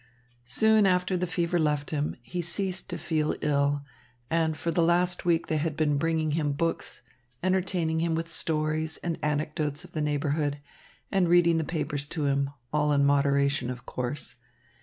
Soon after the fever left him, he ceased to feel ill, and for the last week they had been bringing him books, entertaining him with stories and anecdotes of the neighbourhood, and reading the papers to him, all in moderation, of course.